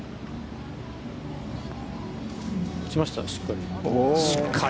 打ちました、しっかり。